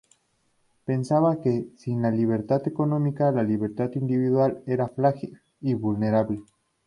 Pensaba que, sin la libertad económica, la libertad individual era frágil y vulnerable.